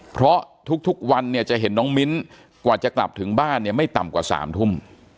เพราะทุกวันเนี่ยจะเห็นน้องมิ้นกว่าจะกลับถึงบ้านเนี่ยไม่ต่ำกว่า๓ทุ่ม